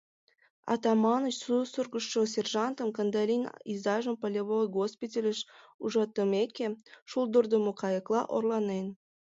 ...Атаманыч сусыргышо сержантым — Кандалин изажым полевой госпитальыш ужатымеке, шулдырдымо кайыкла орланен.